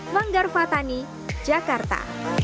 manggar fatani jakarta